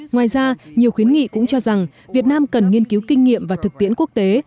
ngoài ra nhiều khuyến nghị cũng cho rằng việt nam cần nghiên cứu kinh nghiệm và thực tiễn quốc tế